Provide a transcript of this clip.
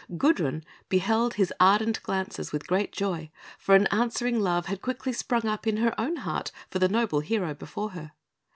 Gudrun beheld his ardent glances with great joy, for an answering love had quickly sprung up in her own heart for the noble hero before her.